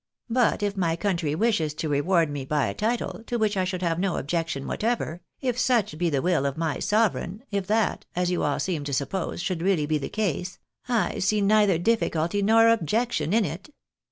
But if my country wishes to reward me by a title, to which I should have no objection whatever, if such be the will of my sovereign, if that, as you all seem to suppose, should really be the case, I see neither difficulty nor objection in it.